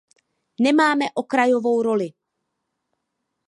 Nemáme okrajovou roli.